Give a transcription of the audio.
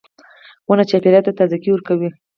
• ونه چاپېریال ته تازهګۍ ورکوي.